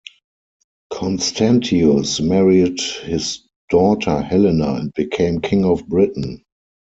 Constantius married his daughter Helena and became king of Britain.